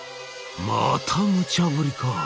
「またむちゃぶりか。